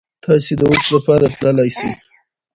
ازادي راډیو د د بیان آزادي په اړه د بریاوو مثالونه ورکړي.